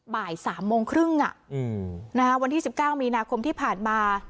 บ่ายสามโมงครึ่งอ่ะอืมนะฮะวันที่สิบเก้ามีนาคมที่ผ่านมา